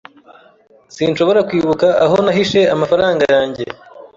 Sinshobora kwibuka aho nahishe amafaranga yanjye